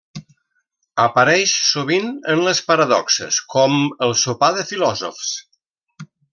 Apareix sovint en les paradoxes, com el sopar de filòsofs.